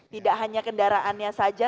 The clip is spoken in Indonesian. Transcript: tidak hanya kendaraannya saja